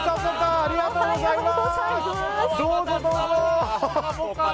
ありがとうございます。